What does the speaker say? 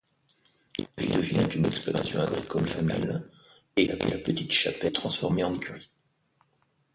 Il devient une exploitation agricole familiale et la petite chapelle est transformée en écurie.